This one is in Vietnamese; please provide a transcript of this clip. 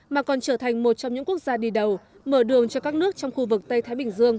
mà còn trở thành một trong những quốc gia đi đầu mở đường cho các nước trong khu vực tây thái bình dương